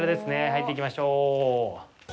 入っていきましょう！